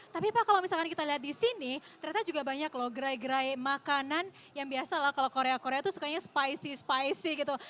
tapi pak kalau misalkan kita lihat di sini ternyata juga banyak loh gerai gerai makanan yang biasa lah kalau korea korea tuh sukanya spicy spicy gitu